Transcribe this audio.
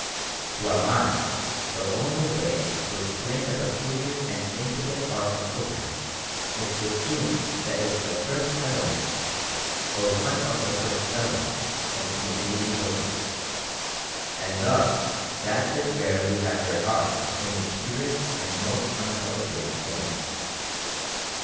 To our mind the only way to explain the peculiar and intricate art of Copan is to assume that it was the first settlement or one of the first settlements of the invading builders, and thus that it is where we have their art in its purest and most unadulterated form.